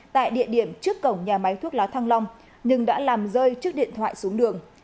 tại địa điểm trước cổng nhà máy thuốc lá thăng long nhưng đã làm rơi trước điện thoại xuống đường